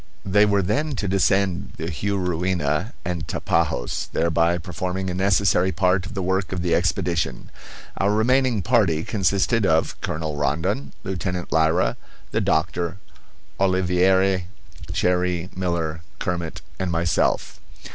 They were then to descend the Juruena and Tapajos, thereby performing a necessary part of the work of the expedition. Our remaining party consisted of Colonel Rondon, Lieutenant Lyra, the doctor, Oliveira, Cherrie, Miller, Kermit, and myself.